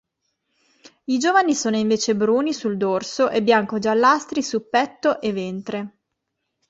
I giovani sono invece bruni sul dorso e bianco-giallastri su petto e ventre.